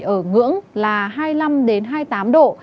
ở ngưỡng là hai mươi năm hai mươi tám độ